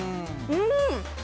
うん！